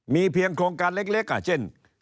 มีเพียงโครงการเล็กเช่น